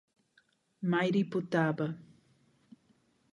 Mairipotaba